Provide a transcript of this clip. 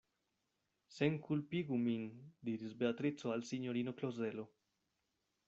Senkulpigu min, diris Beatrico al sinjorino Klozelo.